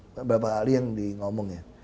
beberapa kali yang di ngomong ya